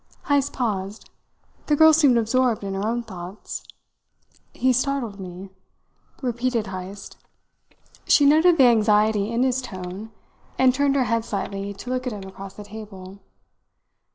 Heyst paused. The girl seemed absorbed in her own thoughts. "He startled me," repeated Heyst. She noted the anxiety in his tone, and turned her head slightly to look at him across the table.